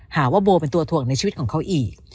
หาว่าโบเป็นตัวถ่วงในชีวิตของเขาอีก